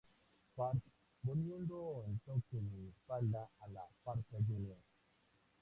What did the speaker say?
Park, poniendo en toque de espalda a La Parka Jr.